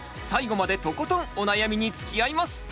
最後までとことんお悩みにつきあいます！